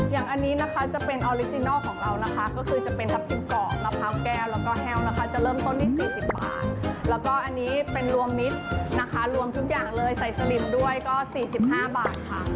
อย่างอันนี้นะคะจะเป็นออริจินัลของเรานะคะก็คือจะเป็นทับทิมกรอบมะพร้าวแก้วแล้วก็แห้วนะคะจะเริ่มต้นที่๔๐บาทแล้วก็อันนี้เป็นรวมมิตรนะคะรวมทุกอย่างเลยใส่สลิมด้วยก็๔๕บาทค่ะ